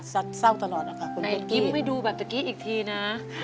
ซ่าวตลอดอะค่ะในยิ้มไม่ดูแบบตะกี้อีกทีนะ